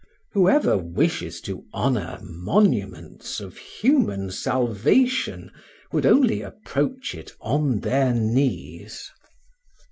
Whoever wishes to honor monuments of human salvation would only approach it on their knees.